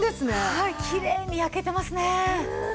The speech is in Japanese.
はいきれいに焼けてますね。